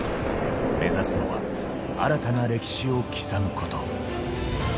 目指すのは新たな歴史を刻むこと。